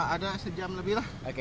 ada sejam lebih lah